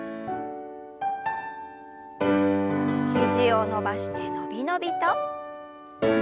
肘を伸ばして伸び伸びと。